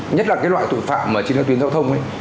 nhất là cái loại tội phạm mà trên các tuyến giao thông ấy